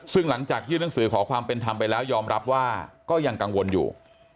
ซึ่งหลังจากยื่นหนังสือขอความเป็นธรรมไปแล้วยอมรับว่าก็ยังกังวลอยู่